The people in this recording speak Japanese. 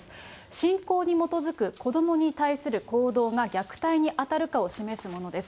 信仰に基づく子どもに対する行動が虐待に当たるかを示すものです。